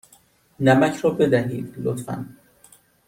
نمک را بدهید، لطفا.